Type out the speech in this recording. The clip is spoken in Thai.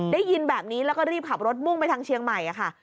ได้ยินแบบนี้แล้วก็รีบขับรถมุ่งไปทางเชียงใหม่ค่ะ